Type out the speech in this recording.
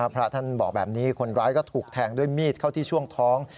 พระท่านบอกแบบนี้คนร้ายก็ถูกแทงด้วยมีดเข้าที่ช่วงท้อง